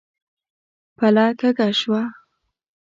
پله کږه شوه.